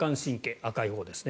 赤いほうですね。